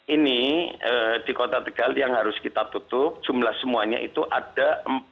ini di kota tegal yang harus kita tutup jumlah semuanya itu ada empat